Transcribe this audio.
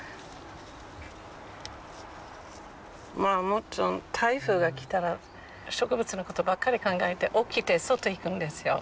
もっと台風が来たら植物の事ばっかり考えて起きて外行くんですよ。